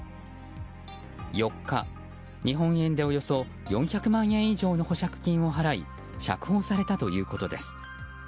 ４日、日本円でおよそ４００万円以上の保釈金を払い釈放されたということです。